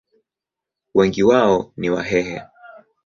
Wengi wao ni Wahehe.